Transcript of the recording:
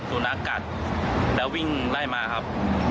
ศูนย์อากาศแล้ววิ่งไล่มาครับ